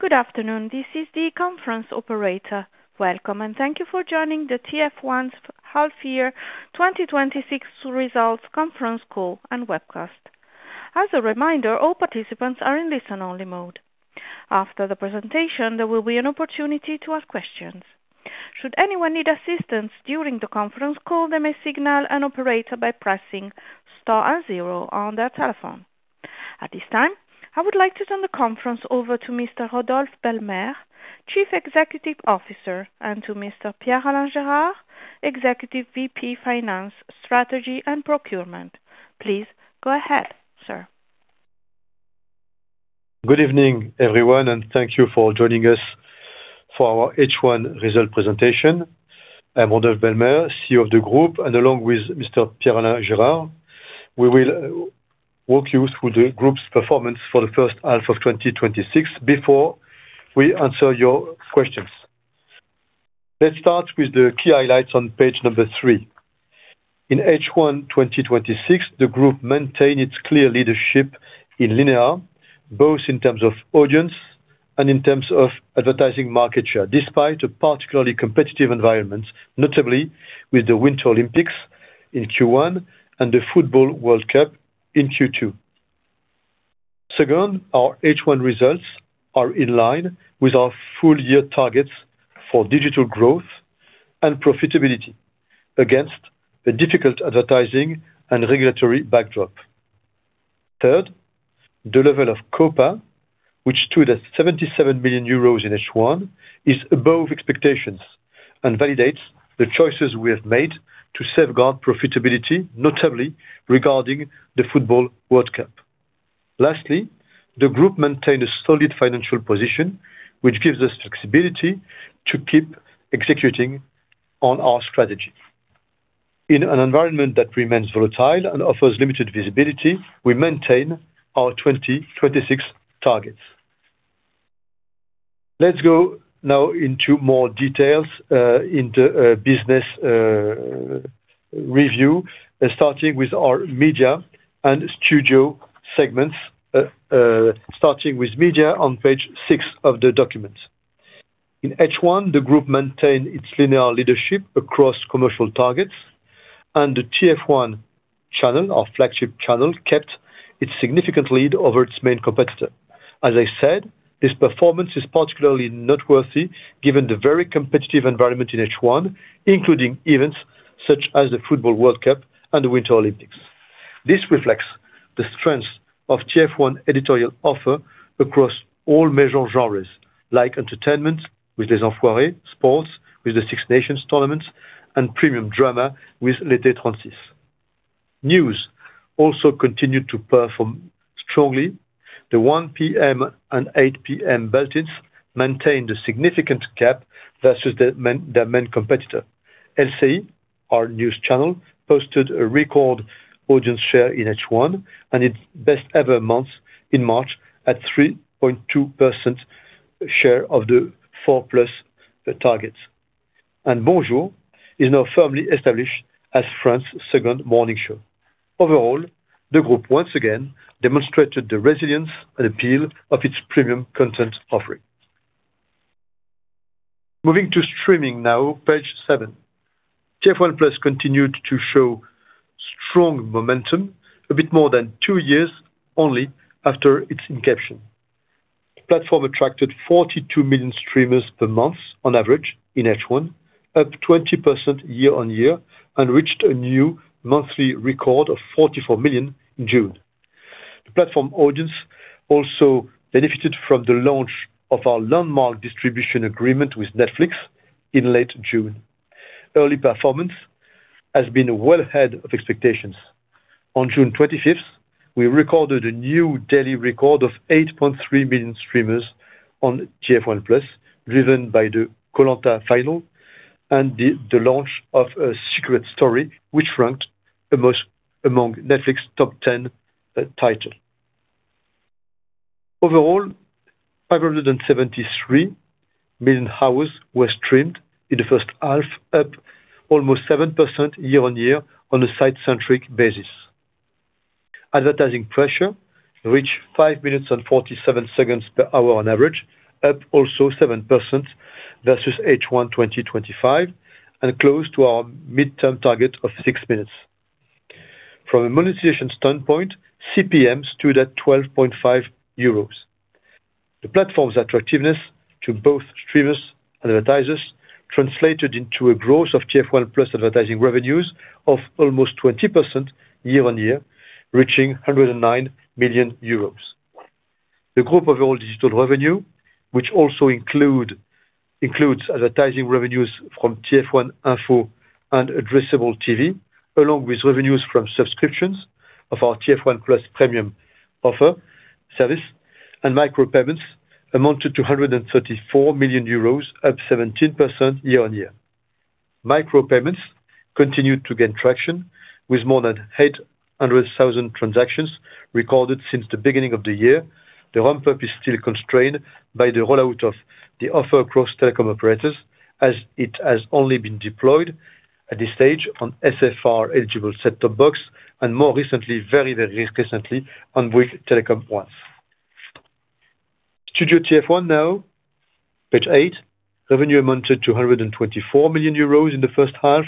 Good afternoon, this is the conference operator. Welcome and thank you for joining the TF1's half year 2026 results conference call and webcast. As a reminder, all participants are in listen-only mode. After the presentation, there will be an opportunity to ask questions. Should anyone need assistance during the conference call, they may signal an operator by pressing star and zero on their telephone. At this time, I would like to turn the conference over to Mr. Rodolphe Belmer, Chief Executive Officer, and to Mr. Pierre-Alain Gérard, Executive Vice President, Finance, Strategy, and Procurement. Please go ahead, sir. Good evening, everyone, thank you for joining us for our H1 result presentation. I'm Rodolphe Belmer, CEO of the group, and along with Mr. Pierre-Alain Gérard, we will walk you through the group's performance for the first half of 2026 before we answer your questions. Let's start with the key highlights on page number three. In H1 2026, the group maintained its clear leadership in linear, both in terms of audience and in terms of advertising market share, despite a particularly competitive environment, notably with the Winter Olympics in Q1 and the Football World Cup in Q2. Second, our H1 results are in line with our full-year targets for digital growth and profitability against the difficult advertising and regulatory backdrop. Third, the level of COPA, which stood at 77 million euros in H1, is above expectations and validates the choices we have made to safeguard profitability, notably regarding the Football World Cup. Lastly, the group maintained a solid financial position, which gives us flexibility to keep executing on our strategy. In an environment that remains volatile and offers limited visibility, we maintain our 2026 targets. Let's go now into more details, into business review, starting with our media and studio segments, starting with media on page six of the document. In H1, the group maintained its linear leadership across commercial targets, and the TF1 channel, our flagship channel, kept its significant lead over its main competitor. As I said, this performance is particularly noteworthy given the very competitive environment in H1, including events such as the Football World Cup and the Winter Olympics. This reflects the strength of TF1 editorial offer across all major genres, like entertainment with "Les Enfoirés," sports with the Six Nations tournament, and premium drama with "L'Été 36." News also continued to perform strongly. The 1:00 P.M. and 8:00 P.M. bulletins maintained a significant cap versus their main competitor. LCI, our news channel, posted a record audience share in H1 and its best-ever month in March at 3.2% share of the 4+ targets. "Bonjour !" is now firmly established as France's second morning show. Overall, the group once again demonstrated the resilience and appeal of its premium content offering. Moving to streaming now, page seven. TF1+ continued to show strong momentum a bit more than two years only after its inception. The platform attracted 42 million streamers per month on average in H1, up 20% year-on-year, and reached a new monthly record of 44 million in June. The platform audience also benefited from the launch of our landmark distribution agreement with Netflix in late June. Early performance has been well ahead of expectations. On June 25th, we recorded a new daily record of 8.3 million streamers on TF1+, driven by the "Koh-Lanta" final and the launch of "Secret Story," which ranked among Netflix's top 10 title. Overall, 573 million hours were streamed in the first half, up almost 7% year-on-year on a site-centric basis. Advertising pressure reached five minutes and 47 seconds per hour on average, up also 7% versus H1 2025, and close to our midterm target of six minutes. From a monetization standpoint, CPM stood at 12.5 euros. The platform's attractiveness to both streamers and advertisers translated into a growth of TF1+ advertising revenues of almost 20% year-on-year, reaching 109 million euros. The group overall digital revenue, which also includes advertising revenues from TF1 Info and addressable TV, along with revenues from subscriptions of our TF1+ Premium offer service and micro payments amounted to 134 million euros, up 17% year-on-year. Micro payments continued to gain traction with more than 800,000 transactions recorded since the beginning of the year. The ramp-up is still constrained by the rollout of the offer across telecom operators as it has only been deployed at this stage on SFR-eligible set-top box and more recently, very, very recently on Bouygues Telecom ones. Studio TF1 now, page eight. Revenue amounted to 124 million euros in the first half,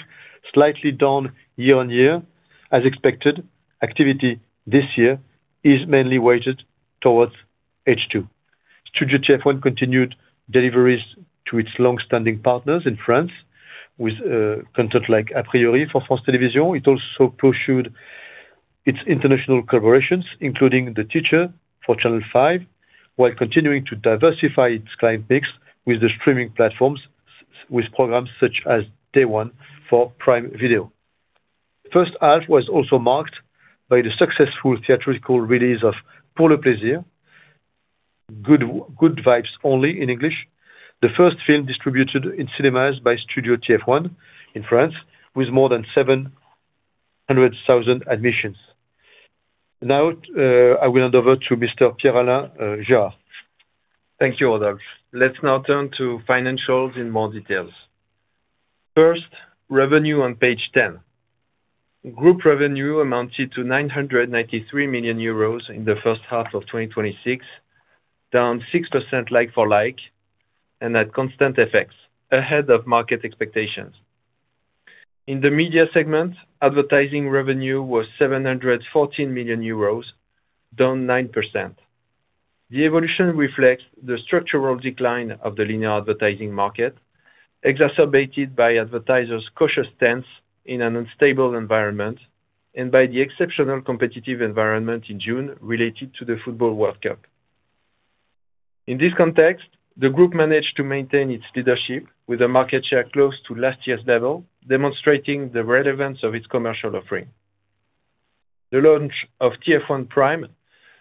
slightly down year-on-year, as expected. Activity this year is mainly weighted towards H2. Studio TF1 continued deliveries to its longstanding partners in France with content like "A Priori" for France Télévisions. It also pursued its international collaborations, including "The Teacher" for Channel 5, while continuing to diversify its client base with the streaming platforms, with programs such as "Day One" for Prime Video. First half was also marked by the successful theatrical release of "Pour le plaisir," "Good Vibes Only" in English, the first film distributed in cinemas by Studio TF1 in France, with more than 700,000 admissions. Now, I will hand over to Mr. Pierre-Alain Gérard. Thank you, Rodolphe. Let's now turn to financials in more details. First, revenue on page 10. Group revenue amounted to 993 million euros in the first half of 2026, down 6% like-for-like and at constant FX, ahead of market expectations. In the media segment, advertising revenue was 714 million euros, down 9%. The evolution reflects the structural decline of the linear advertising market, exacerbated by advertisers' cautious stance in an unstable environment and by the exceptional competitive environment in June related to the FIFA World Cup. In this context, the group managed to maintain its leadership with a market share close to last year's level, demonstrating the relevance of its commercial offering. The launch of TF1 Prime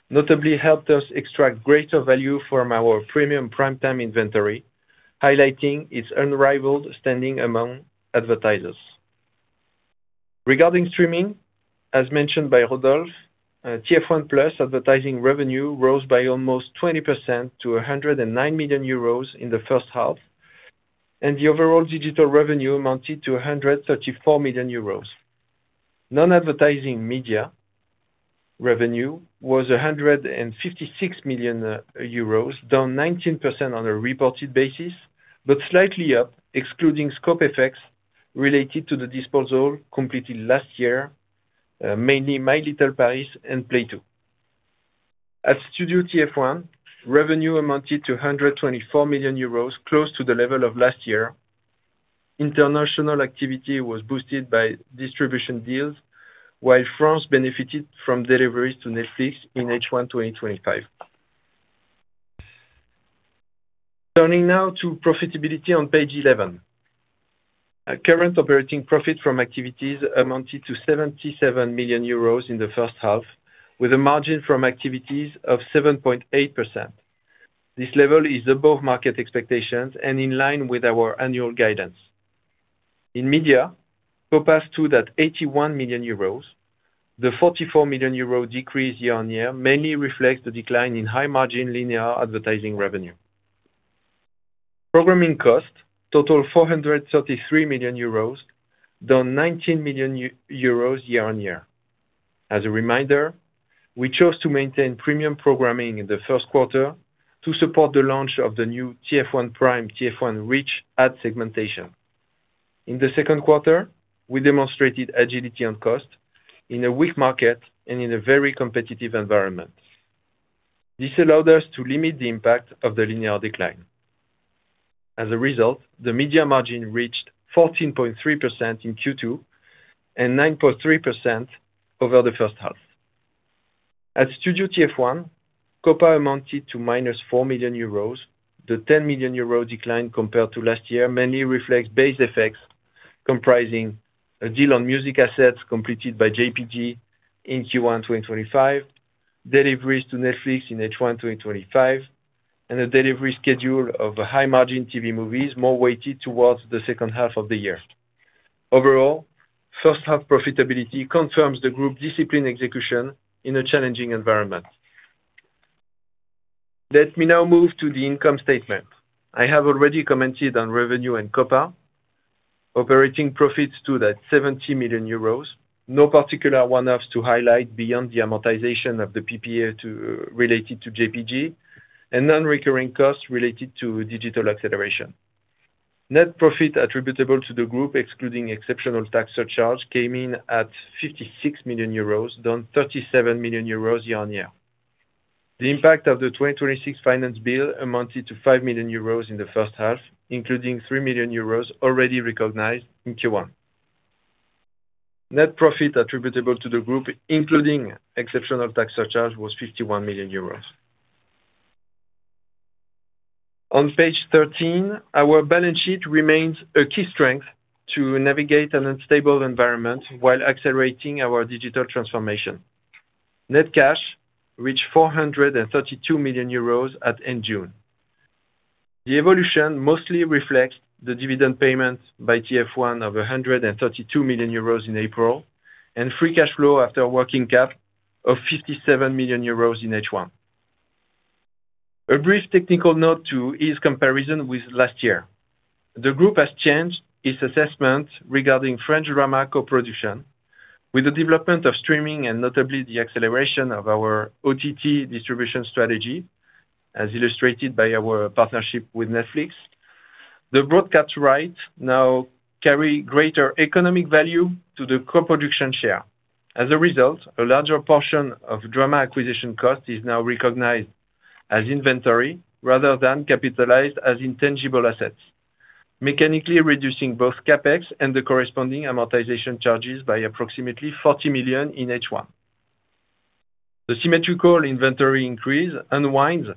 notably helped us extract greater value from our premium primetime inventory, highlighting its unrivaled standing among advertisers. Regarding streaming, as mentioned by Rodolphe, TF1+ advertising revenue rose by almost 20% to 109 million euros in the first half, and the overall digital revenue amounted to 134 million euros. Non-advertising media revenue was 156 million euros, down 19% on a reported basis, but slightly up excluding scope effects related to the disposal completed last year, mainly My Little Paris and Play Two. At Studio TF1, revenue amounted to 124 million euros, close to the level of last year. International activity was boosted by distribution deals, while France benefited from deliveries to Netflix in H1 2025. Turning now to profitability on page 11. Current operating profit from activities amounted to 77 million euros in the first half, with a margin from activities of 7.8%. This level is above market expectations and in line with our annual guidance. In media, COPA stood at 81 million euros. The 44 million euro decrease year-on-year mainly reflects the decline in high-margin linear advertising revenue. Programming costs total 433 million euros, down 19 million euros year-on-year. As a reminder, we chose to maintain premium programming in the first quarter to support the launch of the new TF1 Prime, TF1 Reach ad segmentation. In the second quarter, we demonstrated agility on cost in a weak market and in a very competitive environment. This allowed us to limit the impact of the linear decline. As a result, the media margin reached 14.3% in Q2 and 9.3% over the first half. At Studio TF1, COPA amounted to -4 million euros. The 10 million euro decline compared to last year mainly reflects base effects comprising a deal on music assets completed by JPG in Q1 2025, deliveries to Netflix in H1 2025, and a delivery schedule of high-margin TV movies more weighted towards the second half of the year. Overall, first half profitability confirms the group discipline execution in a challenging environment. Let me now move to the income statement. I have already commented on revenue and COPA. Operating profits stood at 70 million euros. No particular one-offs to highlight beyond the amortization of the PPA related to JPG and non-recurring costs related to digital acceleration. Net profit attributable to the group, excluding exceptional tax surcharge, came in at 56 million euros, down 37 million euros year-on-year. The impact of the 2026 finance bill amounted to 5 million euros in the first half, including 3 million euros already recognized in Q1. Net profit attributable to the group, including exceptional tax surcharge, was 51 million euros. On page 13, our balance sheet remains a key strength to navigate an unstable environment while accelerating our digital transformation. Net cash reached 432 million euros at end June. The evolution mostly reflects the dividend payment by TF1 of 132 million euros in April and free cash flow after working cap of 57 million euros in H1. A brief technical note to ease comparison with last year. The group has changed its assessment regarding French drama co-production with the development of streaming and notably the acceleration of our OTT distribution strategy, as illustrated by our partnership with Netflix. The broadcast right now carry greater economic value to the co-production share. As a result, a larger portion of drama acquisition cost is now recognized as inventory rather than capitalized as intangible assets, mechanically reducing both CapEx and the corresponding amortization charges by approximately 40 million in H1. The symmetrical inventory increase unwinds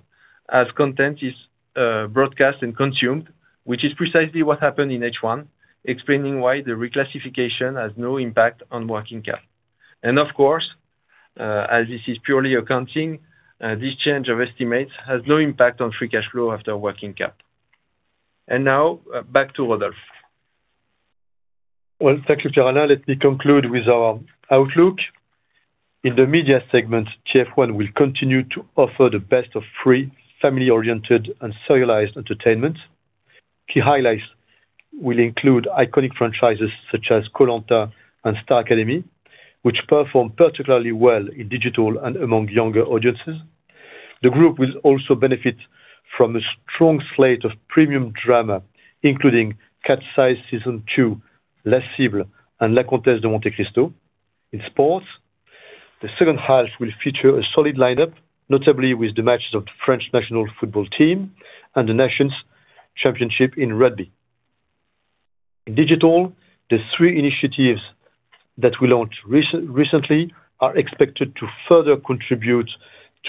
as content is broadcast and consumed, which is precisely what happened in H1, explaining why the reclassification has no impact on working cap. Of course, as this is purely accounting, this change of estimates has no impact on free cash flow after working cap. Now back to Rodolphe. Well, thank you, Pierre-Alain. Let me conclude with our outlook. In the media segment, TF1 will continue to offer the best of free, family-oriented, and serialized entertainment. Key highlights will include iconic franchises such as Koh-Lanta and Star Academy, which perform particularly well in digital and among younger audiences. The group will also benefit from a strong slate of premium drama, including Cat's Eyes Season 2, La Cible and La Comtesse de Monte-Cristo. In sports, the second half will feature a solid lineup, notably with the matches of the French national football team and the Nations Championship in rugby. In digital, the three initiatives that we launched recently are expected to further contribute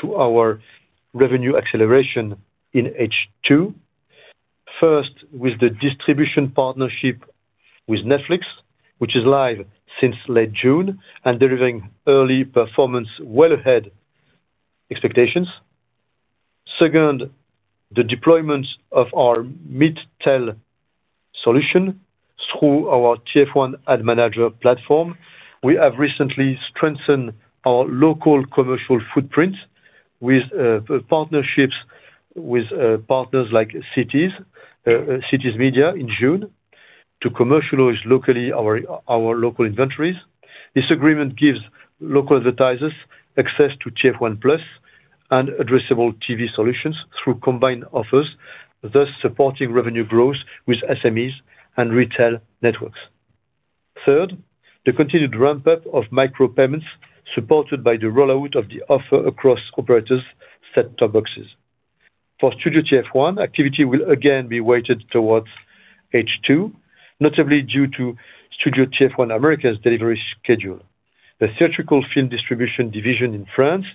to our revenue acceleration in H2. First, with the distribution partnership with Netflix, which is live since late June and delivering early performance well ahead expectations. Second, the deployment of our mid-tail solution through our TF1 AdManager platform. We have recently strengthened our local commercial footprint with partnerships with partners like Cityz Media in June to commercialize locally our local inventories. This agreement gives local advertisers access to TF1+ and addressable TV solutions through combined offers, thus supporting revenue growth with SMEs and retail networks. Third, the continued ramp-up of micro payments supported by the rollout of the offer across operators' set-top boxes. For Studio TF1, activity will again be weighted towards H2, notably due to Studio TF1 America's delivery schedule. The theatrical film distribution division in France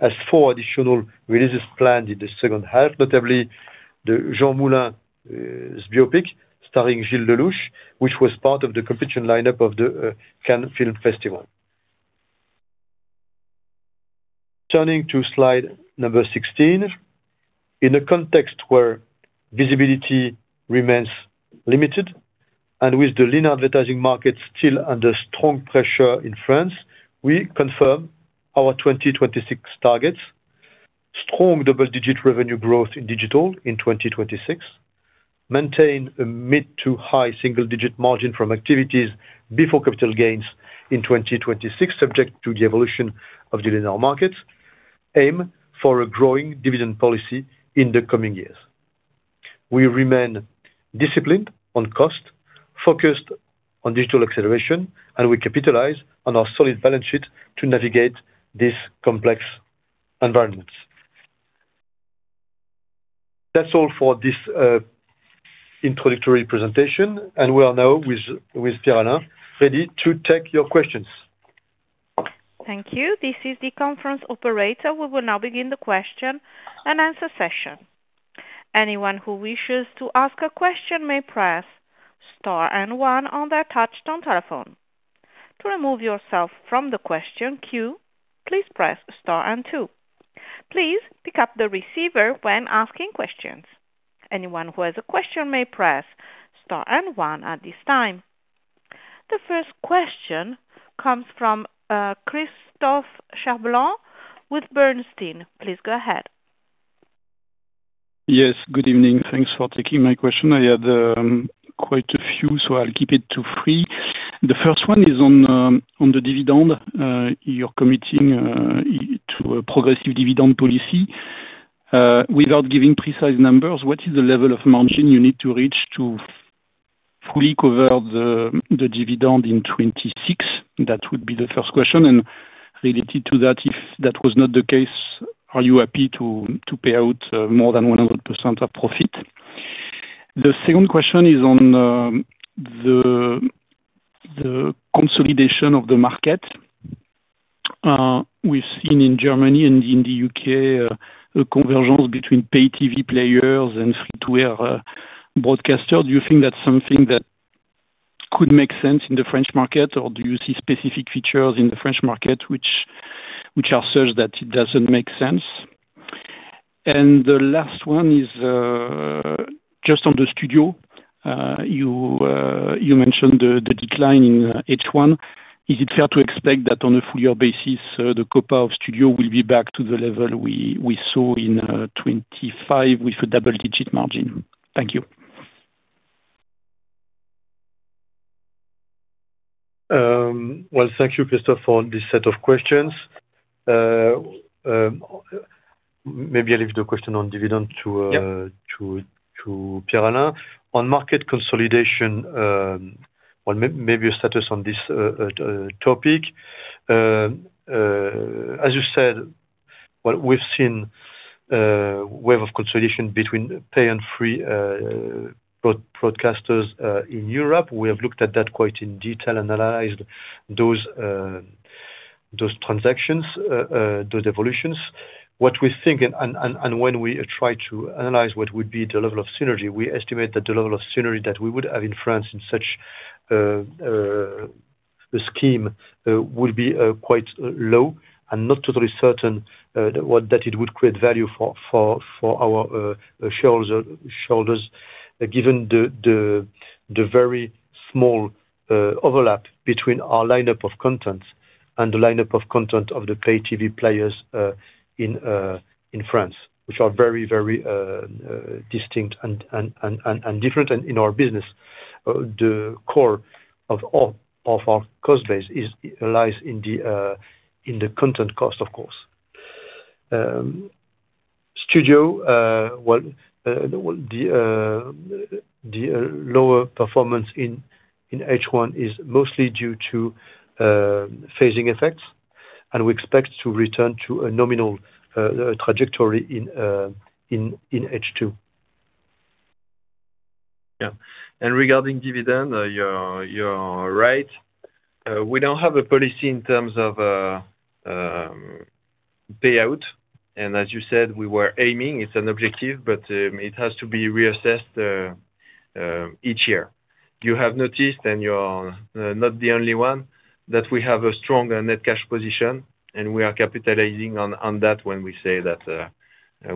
has four additional releases planned in the second half, notably the Jean Moulin's biopic starring Gilles Lellouche, which was part of the competition lineup of the Cannes Film Festival. Turning to slide number 16, in a context where visibility remains limited and with the linear advertising market still under strong pressure in France, we confirm our 2026 targets. Strong double-digit revenue growth in digital in 2026. Maintain a mid to high single-digit margin from activities before capital gains in 2026, subject to the evolution of the linear markets. Aim for a growing dividend policy in the coming years. We remain disciplined on cost, focused on digital acceleration, we capitalize on our solid balance sheet to navigate these complex environments. That's all for this introductory presentation. We are now with Pierre-Alain, ready to take your questions. Thank you. This is the conference operator. We will now begin the question-and-answer session. Anyone who wishes to ask a question may press star and one on their touch-tone telephone. To remove yourself from the question queue, please press star and two. Please pick up the receiver when asking questions. Anyone who has a question may press star and one at this time. The first question comes from Christophe Cherblanc with Bernstein. Please go ahead. Yes, good evening. Thanks for taking my question. I had quite a few, I'll keep it to three. The first one is on the dividend. You're committing to a progressive dividend policy. Without giving precise numbers, what is the level of margin you need to reach to fully cover the dividend in 2026? That would be the first question. Related to that, if that was not the case, are you happy to pay out more than 100% of profit? The second question is on the consolidation of the market. We've seen in Germany and in the U.K. a convergence between pay TV players and free-to-air broadcasters. Do you think that's something that could make sense in the French market, or do you see specific features in the French market which are such that it doesn't make sense? The last one is just on the Studio. You mentioned the decline in H1. Is it fair to expect that on a full year basis, the COPA of Studio will be back to the level we saw in 2025 with a double-digit margin? Thank you. Well, thank you, Christophe, for this set of questions. Maybe I leave the question on dividend to- Yeah. Pierre-Alain. On market consolidation, maybe a status on this topic. As you said, we've seen a wave of consolidation between pay and free broadcasters in Europe. We have looked at that quite in detail, analyzed those transactions, those evolutions. What we think, and when we try to analyze what would be the level of synergy, we estimate that the level of synergy that we would have in France in such a scheme would be quite low and not totally certain that it would create value for our shareholders, given the very small overlap between our lineup of content and the lineup of content of the pay TV players in France, which are very, very distinct and different in our business. The core of our cost base lies in the content cost, of course. Studio, the lower performance in H1 is mostly due to phasing effects. We expect to return to a nominal trajectory in H2. Yeah. Regarding dividend, you're right. We don't have a policy in terms of payout, and as you said, we were aiming. It's an objective, but it has to be reassessed each year. You have noticed, and you're not the only one, that we have a strong net cash position, and we are capitalizing on that when we say that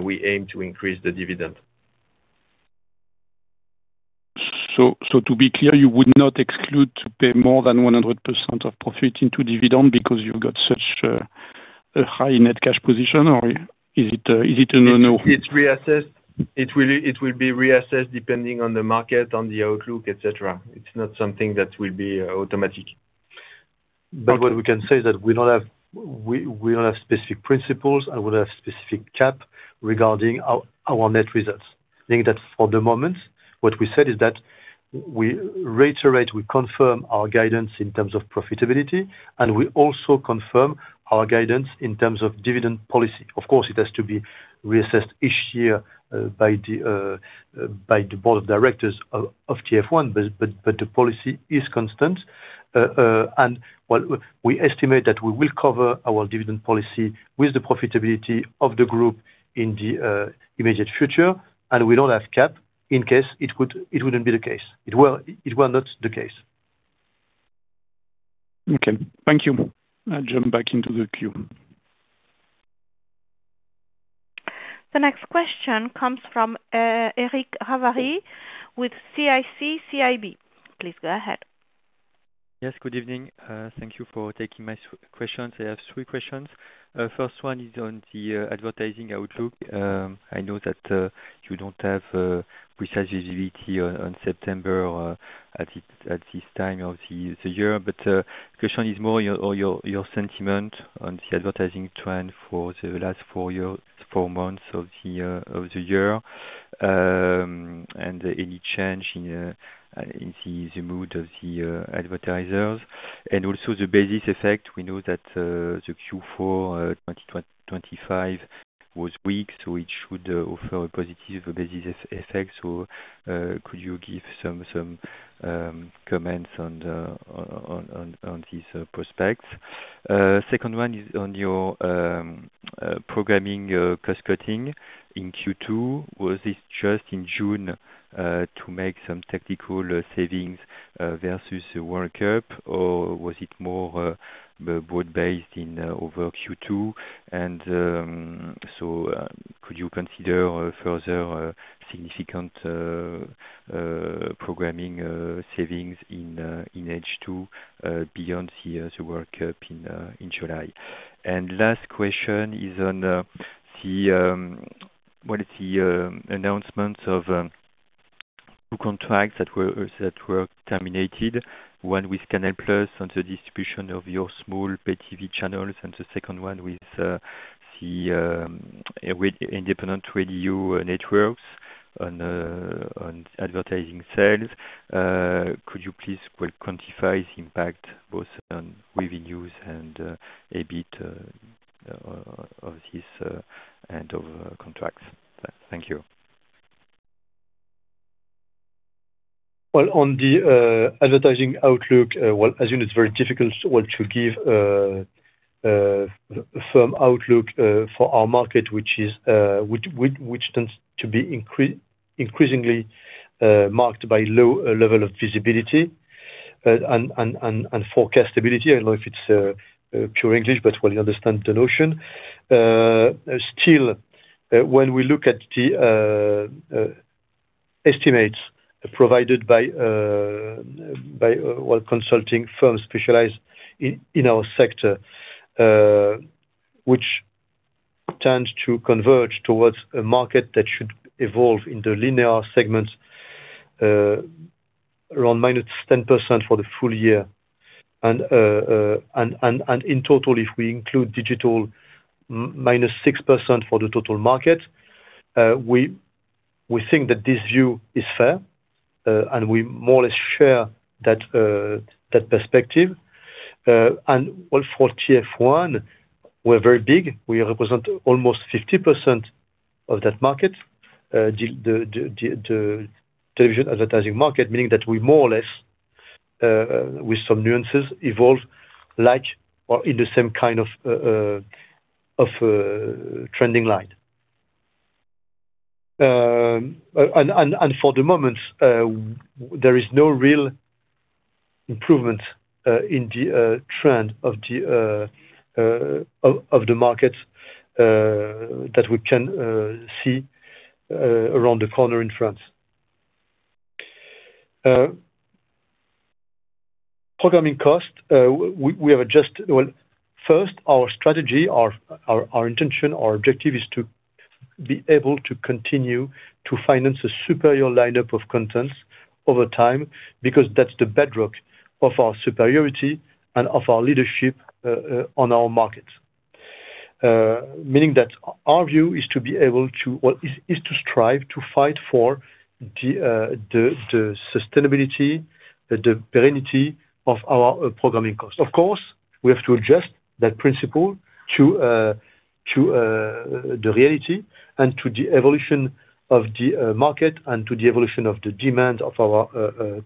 we aim to increase the dividend. To be clear, you would not exclude to pay more than 100% of profit into dividend because you've got such a high net cash position, or is it a no? It will be reassessed depending on the market, on the outlook, et cetera. It's not something that will be automatic. What we can say is that we don't have specific principles and we don't have specific cap regarding our net results, meaning that for the moment, what we said is that we reiterate, we confirm our guidance in terms of profitability, and we also confirm our guidance in terms of dividend policy. Of course, it has to be reassessed each year by the board of directors of TF1. The policy is constant. We estimate that we will cover our dividend policy with the profitability of the group in the immediate future, and we don't have cap in case it wouldn't be the case. It were not the case. Okay. Thank you. I'll jump back into the queue. The next question comes from Eric Ravary with CIC CIB. Please go ahead. Yes, good evening. Thank you for taking my questions. I have three questions. First one is on the advertising outlook. I know that you don't have precise visibility on September or at this time of the year, but the question is more your sentiment on the advertising trend for the last four months of the year, and any change in the mood of the advertisers, and also the basis effect. We know that the Q4 2025 was weak. It should offer a positive basis effect. Could you give some comments on these prospects? Second one is on your programming cost-cutting in Q2. Was it just in June to make some technical savings versus the World Cup, or was it more broad-based over Q2? Could you consider further significant programming savings in H2 beyond the World Cup in July? Last question is on what is the announcements of two contracts that were terminated, one with Canal+ on the distribution of your small pay TV channels, and the second one with the independent radio networks on advertising sales. Could you please quantify the impact both on revenues and EBIT of this end of contracts? Thank you. Well, on the advertising outlook, as you know, it's very difficult to give a firm outlook for our market, which tends to be increasingly marked by low level of visibility and forecastability. I don't know if it's pure English. Well you understand the notion. Still, when we look at the estimates provided by consulting firms specialized in our sector, Tends to converge towards a market that should evolve in the linear segment around -10% for the full year. In total, if we include digital, -6% for the total market. We think that this view is fair, and we more or less share that perspective. Well for TF1, we're very big. We represent almost 50% of that market, the television advertising market, meaning that we more or less, with some nuances, evolve like or in the same kind of trending line. For the moment, there is no real improvement in the trend of the market that we can see around the corner in France. Programming cost. First, our strategy, our intention, our objective is to be able to continue to finance a superior lineup of contents over time, because that's the bedrock of our superiority and of our leadership on our market. Meaning that our view is to strive to fight for the sustainability, the perennity of our programming cost. Of course, we have to adjust that principle to the reality and to the evolution of the market and to the evolution of the demand of our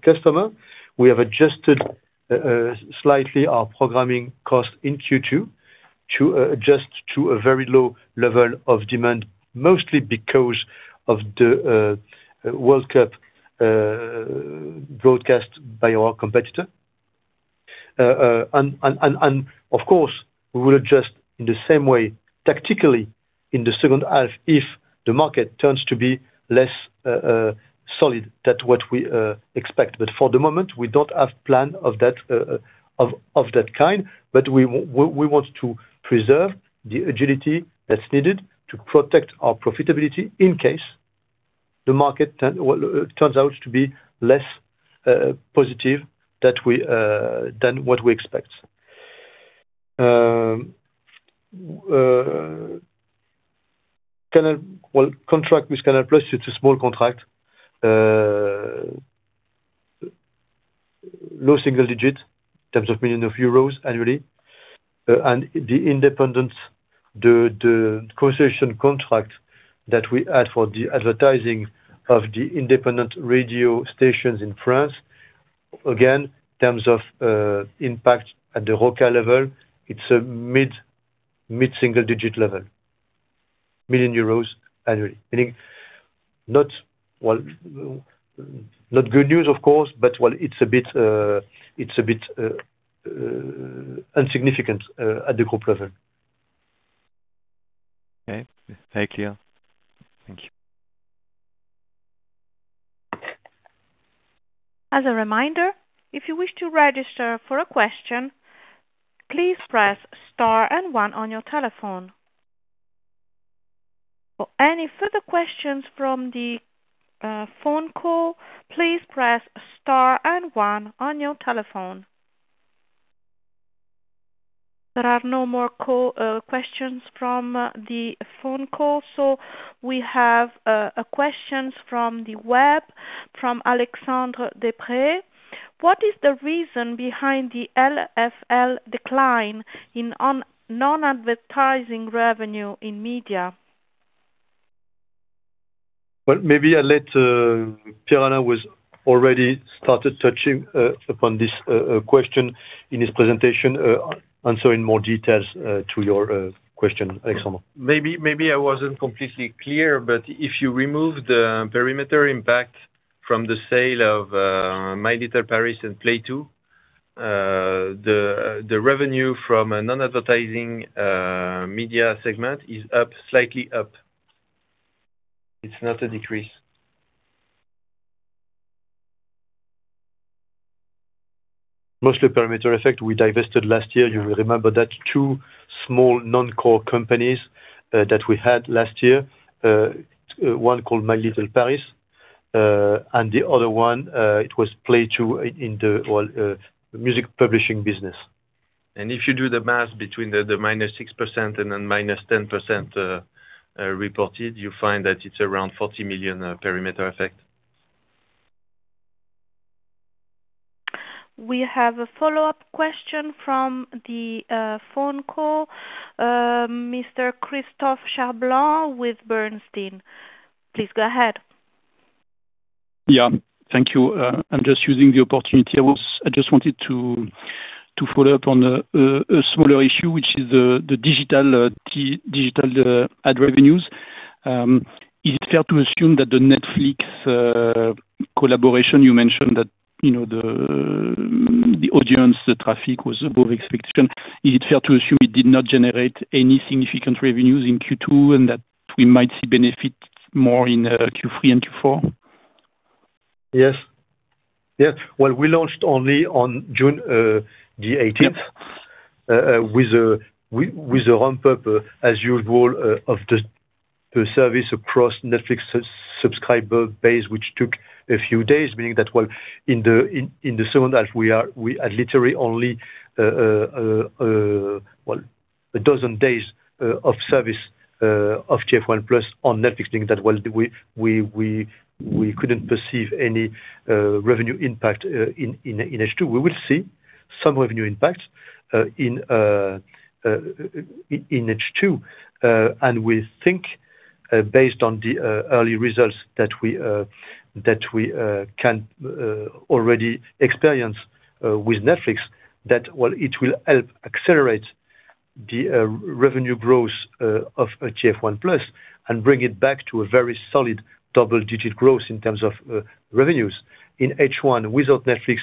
customer. We have adjusted slightly our programming cost in Q2 to adjust to a very low level of demand, mostly because of the World Cup broadcast by our competitor. We will adjust in the same way tactically in the second half if the market turns to be less solid than what we expect. For the moment, we don't have plan of that kind. We want to preserve the agility that's needed to protect our profitability in case the market turns out to be less positive than what we expect. Contract with Canal+, it's a small contract. Low single digit in terms of million EUR annually. The concession contract that we had for the advertising of the independent radio stations in France, again, terms of impact at the COPA level, it's a mid-single digit level million EUR annually. Meaning, not good news, of course, but it's a bit insignificant at the group level. Okay. Thank you. As a reminder, if you wish to register for a question, please press star and one on your telephone. For any further questions from the phone call, please press star and one on your telephone. There are no more questions from the phone call. We have a question from the web, from Alexandre Depré. What is the reason behind the LFL decline in non-advertising revenue in media? Maybe I'll let Pierre-Alain who's already started touching upon this question in his presentation, answer in more details to your question, Alexandre. If you remove the perimeter impact from the sale of My Little Paris and Play Two, the revenue from a non-advertising media segment is slightly up. It's not a decrease. Mostly perimeter effect. We divested last year. You will remember that two small non-core companies that we had last year, one called My Little Paris, and the other one, it was Play Two in the music publishing business. If you do the math between the -6% and -10% reported, you find that it's around 40 million perimeter effect. We have a follow-up question from the phone call. Mr. Christophe Cherblanc with Bernstein. Please go ahead. Yeah. Thank you. I'm just using the opportunity. I just wanted to follow up on a smaller issue, which is the digital ad revenues. Is it fair to assume that the Netflix collaboration, you mentioned that the audience, the traffic was above expectation? Is it fair to assume it did not generate any significant revenues in Q2 and that we might see benefits more in Q3 and Q4? Yes. Well, we launched only on June the 18th with the ramp-up as usual of the service across Netflix subscriber base, which took a few days, meaning that in the second half, we are literally only 12 days of service of TF1+ on Netflix, meaning that we couldn't perceive any revenue impact in H2. We will see some revenue impact in H2. We think, based on the early results that we can already experience with Netflix, that it will help accelerate the revenue growth of TF1+ and bring it back to a very solid double-digit growth in terms of revenues. In H1, without Netflix,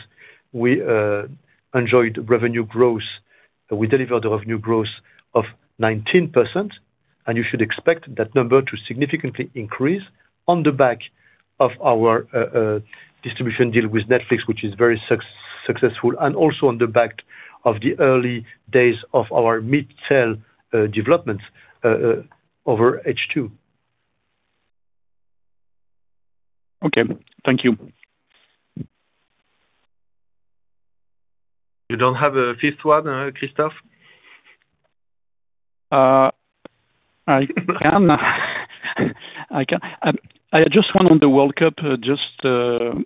we enjoyed revenue growth. We delivered revenue growth of 19%, and you should expect that number to significantly increase on the back of our distribution deal with Netflix, which is very successful, and also on the back of the early days of our mid-sell development over H2. Okay. Thank you. You don't have a fifth one, Christophe? I can. I just want on the World Cup, I'm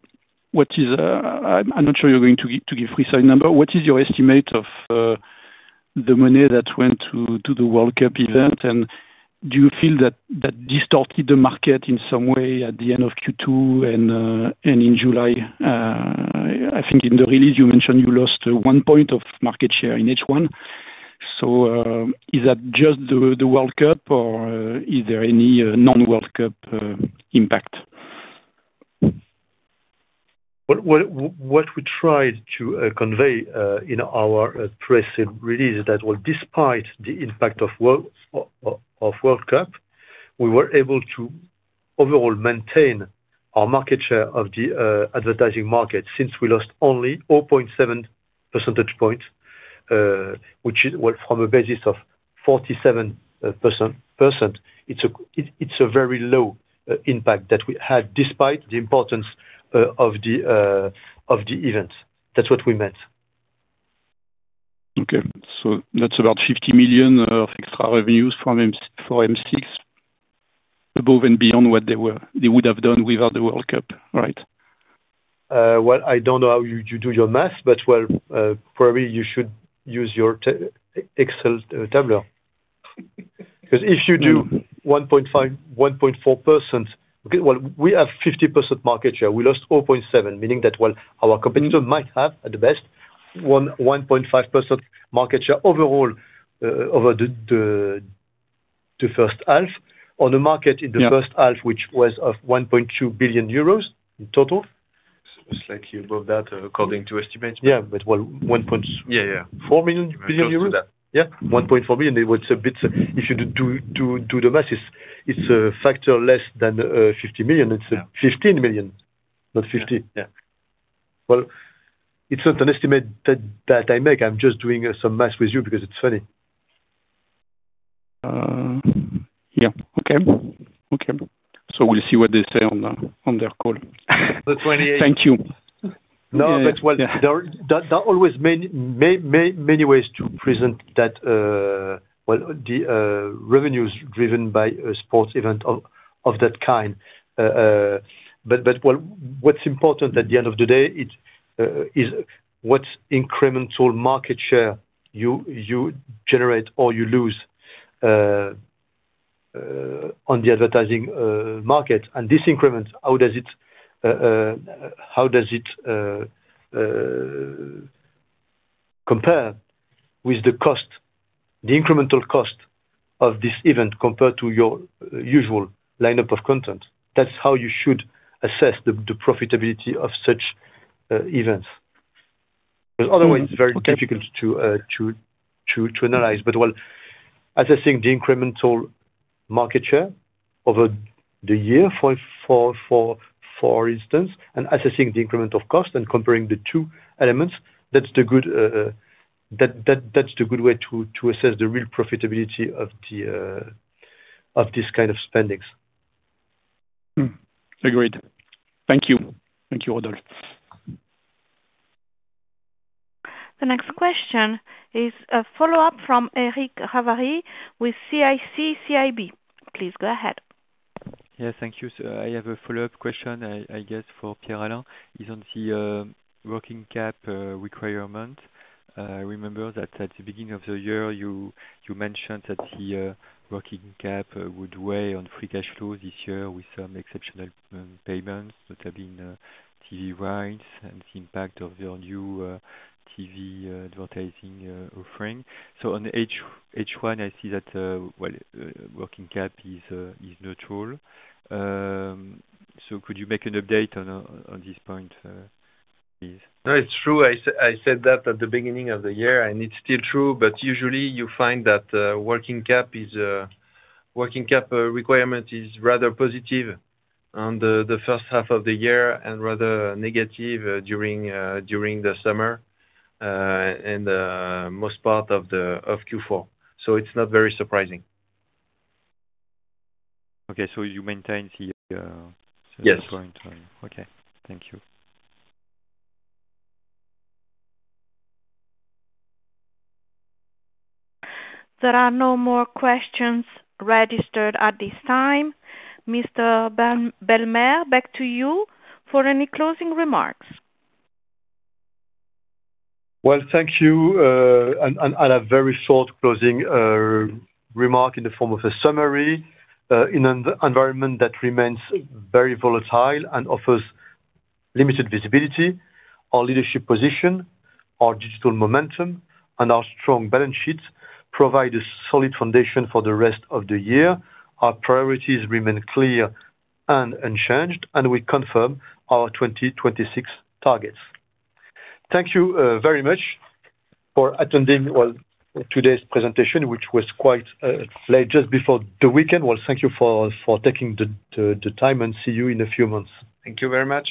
not sure you're going to give precise number. What is your estimate of the money that went to the World Cup event, and do you feel that distorted the market in some way at the end of Q2 and in July? I think in the release you mentioned you lost one point of market share in H1. Is that just the World Cup or is there any non-World Cup impact? What we tried to convey in our press release that despite the impact of World Cup, we were able to overall maintain our market share of the advertising market since we lost only 0.7 percentage point, which from a basis of 47%, it's a very low impact that we had despite the importance of the event. That's what we meant. Okay, that's about 50 million of extra revenues for M6 above and beyond what they would have done without the World Cup, right? I don't know how you do your math, probably you should use your Excel table. If you do 1.4%, we have 50% market share. We lost 0.7%, meaning that our competitor might have, at the best, 1.5% market share overall over the first half on the market in the first half, which was of 1.2 billion euros in total. It's likely above that according to estimates. Yeah, well, 1.4 million? Yeah. 15 million. If you do the math, it's a factor less than 50 million. It's 15 million, not 50 million. Yeah. It's not an estimate that I make. I'm just doing some math with you because it's funny. We'll see what they say on their call. Thank you. There are always many ways to present the revenues driven by a sports event of that kind. What's important at the end of the day is what incremental market share you generate or you lose on the advertising market. This increment, how does it compare with the incremental cost of this event compared to your usual lineup of content? That's how you should assess the profitability of such events. Otherwise, it's very difficult to analyze. Well, assessing the incremental market share over the year, for instance, and assessing the increment of cost and comparing the two elements, that's the good way to assess the real profitability of this kind of spendings. Agreed. Thank you. Thank you, Rodolphe. The next question is a follow-up from Eric Ravary with CIC CIB. Please go ahead. Yeah, thank you. I have a follow-up question, I guess, for Pierre-Alain, is on the working cap requirement. I remember that at the beginning of the year, you mentioned that the working cap would weigh on free cash flow this year with some exceptional payments that have been TV rights and the impact of your new TV advertising offering. On H1, I see that working cap is neutral. Could you make an update on this point, please? No, it's true. I said that at the beginning of the year, it's still true, usually you find that working cap requirement is rather positive on the first half of the year and rather negative during the summer and most part of Q4. It's not very surprising. Okay, you maintain the- Yes. -point. Okay, thank you. There are no more questions registered at this time. Mr. Belmer, back to you for any closing remarks. Well, thank you. A very short closing remark in the form of a summary. In an environment that remains very volatile and offers limited visibility, our leadership position, our digital momentum, and our strong balance sheet provide a solid foundation for the rest of the year. Our priorities remain clear and unchanged, and we confirm our 2026 targets. Thank you very much for attending today's presentation, which was quite late just before the weekend. Well, thank you for taking the time, and see you in a few months. Thank you very much.